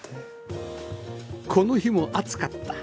この日も暑かった